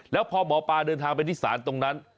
แล้วพอหมอปลาเดินทางไปที่ศาลตรงนั้น